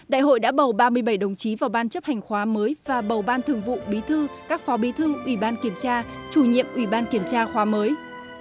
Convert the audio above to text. đại hội đã bầu ba mươi bảy đồng chí vào ban chấp hành khóa mới và bầu ban thường vụ bí thư các phó bí thư ủy ban kiểm tra chủ nhiệm ủy ban kiểm tra khóa mới